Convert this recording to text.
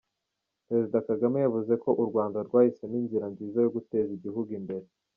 Perezida Kagame yavuze ko u Rwanda rwahisemo inzira nziza yo guteza igihugu imbere.